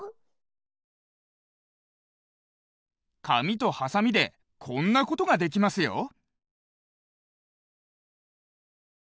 かみとはさみでこんなことができますよ。